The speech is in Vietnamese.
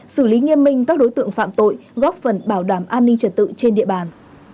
xử lý nghiêm minh các đối tượng phạm tội góp phần bảo đảm an ninh trật tự trên địa bàn